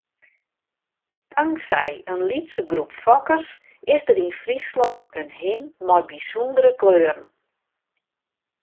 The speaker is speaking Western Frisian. Tanksij in lytse groep fokkers is der yn Fryslân in hin mei bysûndere kleuren.